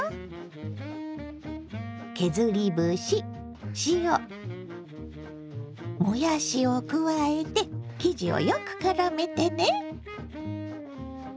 削り節塩もやしを加えて生地をよくからめてね。